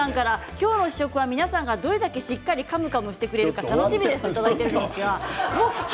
今日の試食は皆さんがどれだけしっかりカムカムしてくれるか楽しみですときています。